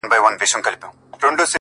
په تورو سترگو کي کمال د زلفو مه راوله;